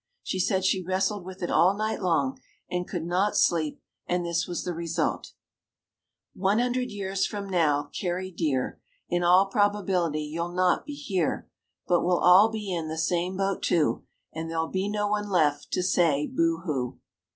She said she wrestled with it all night long and could not sleep and this was the result: "One hundred years from now, Carrie dear, In all probability you'll not be here; But we'll all be in the same boat, too, And there'll be no one left To say boo hoo!"